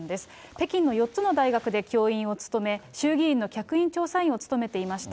北京の４つの大学で教員を務め、衆議院の客員調査員を務めていました。